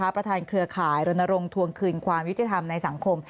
เครือข่ายรณรงค์ทวงคืนความยุติธรรมในสังคม